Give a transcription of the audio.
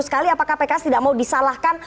sekali apakah pks tidak mau disalahkan